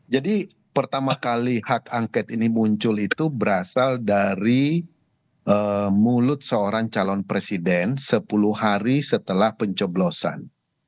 jadi pertama kali hak angket ini muncul itu berasal dari mulut seorang calon presiden sepuluh hari setelah penceblosan